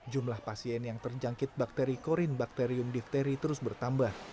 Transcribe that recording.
jumlah pasien yang terjangkit bakteri korin bakterium difteri terus bertambah